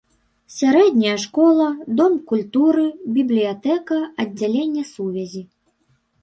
Сярэдняя школа, дом культуры, бібліятэка, аддзяленне сувязі.